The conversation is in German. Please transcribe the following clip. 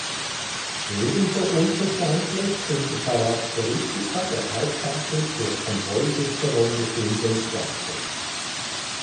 Ebenso unverständlich sind die Charakteristika der hauptsächlich für Konvoisicherung bestimmten Klasse.